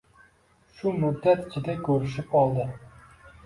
Shu muddat ichida ko’rishib oldi.